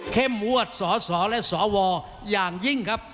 งวดสสและสวอย่างยิ่งครับ